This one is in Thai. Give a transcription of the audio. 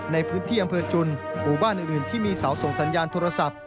ในพื้นที่อำเภอจุนหมู่บ้านอื่นที่มีเสาส่งสัญญาณโทรศัพท์